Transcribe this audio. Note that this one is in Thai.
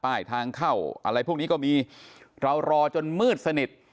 ทางเข้าอะไรพวกนี้ก็มีเรารอจนมืดสนิท